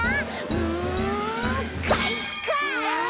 うんかいか！